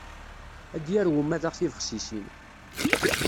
Ad d-yarew umadaɣ tibexsisin.